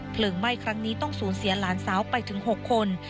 ไหม้ครั้งนี้ต้องสูญเสียหลานสาวไปถึง๖คน